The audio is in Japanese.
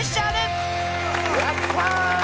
やったー！